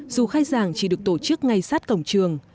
dù khai giảng chỉ được tổ chức ngay sát cổng trường